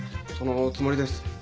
そのつもりです。